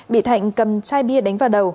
bị thạnh cầm chai bia đánh vào đầu